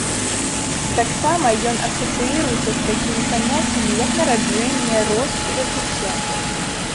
Таксама ён асацыіруецца з такімі паняццямі, як нараджэнне, рост і развіццё.